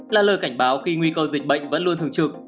là lời cảnh báo khi nguy cơ dịch bệnh vẫn luôn thường trực